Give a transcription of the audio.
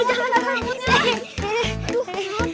aduh di mana tuh